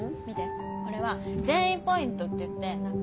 これは善意ポイントっていって。